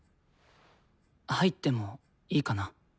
入ってもいいかな？